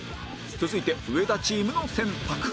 続いて上田チームの選択